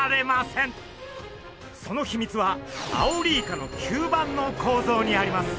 その秘密はアオリイカの吸盤の構造にあります。